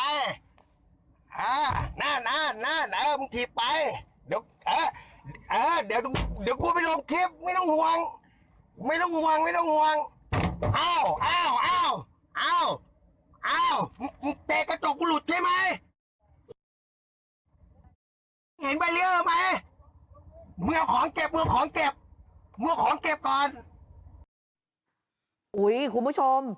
มึงเอาของเก็บเก็บมึงเอาของเก็บก่อนอุ้ยคุณผู้ชม